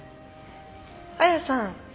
亜矢さん。